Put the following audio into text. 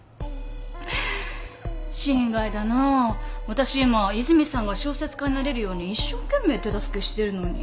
私今和泉さんが小説家になれるように一生懸命手助けしてるのに。